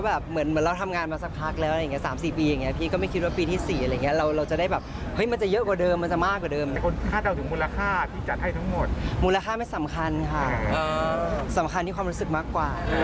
สำคัญที่ความรู้สึกมากกว่า